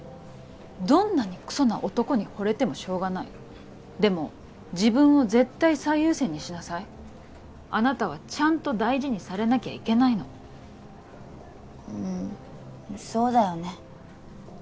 どんなにクソな男にホレてもしょうがないでも自分を絶対最優先にしなさいあなたはちゃんと大事にされなきゃいけないのうんそうだよね